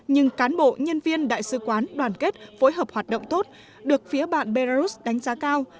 nhưng cán bộ nhân viên đại sứ quán đoàn kết phối hợp hoạt động tốt được phía bạn belarus đánh giá cao